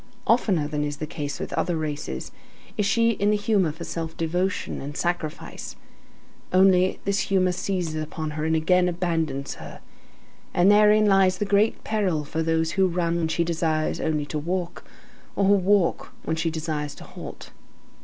Oftener than is the case with other races, is she in the humor for self devotion and sacrifice. Only, this humor seizes upon her, and again abandons her. And therein lies the great peril for those who run when she desires only to walk, or who walk on when she desires to halt.